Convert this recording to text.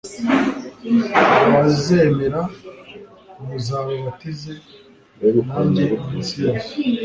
abazemera muzababatize, nanjye iminsi yose